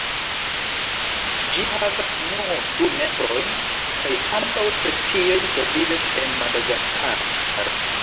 Ĝi havas nur du membrojn kaj ambaŭ specioj troviĝas en Madagaskaro.